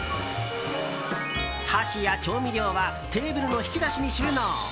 箸や調味料はテーブルの引き出しに収納。